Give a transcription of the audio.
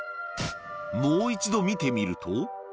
もう一度、見てみると。